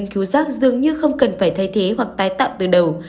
không cần phải thay thế hoặc tái tạo từ đầu